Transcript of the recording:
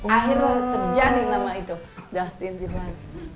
akhirnya terjadi nama itu dustin tiffany